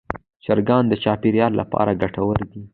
چرګان د چاپېریال لپاره ګټور دي.